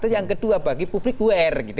yang kedua bagi publik aware